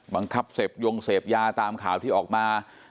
บังคับเสพยงเสพยาตามข่าวที่ออกมา